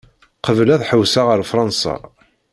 Qabel ad ḥewseɣ ar Fṛansa.